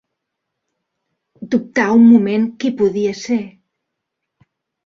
Dubtà un moment qui podia ésser.